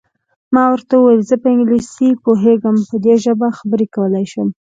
ما ورته وویل: زه په انګلیسي پوهېږم، په دې ژبه خبرې کولای شم.